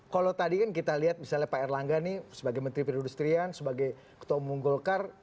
kalau tadi kan kita lihat misalnya pak erlangga nih sebagai menteri perindustrian sebagai ketua umum golkar